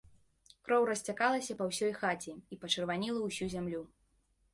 Кроў расцякалася па ўсёй хаце і пачырваніла ўсю зямлю.